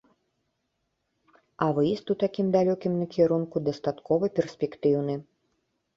А выезд ў такім далёкім накірунку дастаткова перспектыўны.